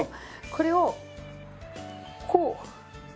これをこう。